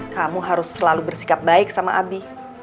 kamu harus selalu bersikap baik sama abi